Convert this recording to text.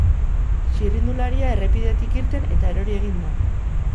Txirrindularia errepidetik irten, eta erori egin da.